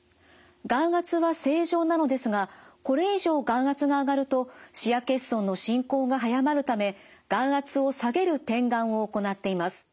眼圧は正常なのですがこれ以上眼圧が上がると視野欠損の進行が早まるため眼圧を下げる点眼を行っています。